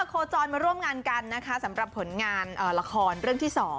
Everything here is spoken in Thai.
โคจรมาร่วมงานกันนะคะสำหรับผลงานละครเรื่องที่๒